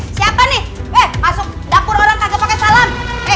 siapa nih masuk dapur orang kaget pake salam